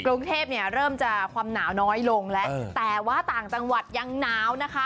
กรุงเทพเนี่ยเริ่มจะความหนาวน้อยลงแล้วแต่ว่าต่างจังหวัดยังหนาวนะคะ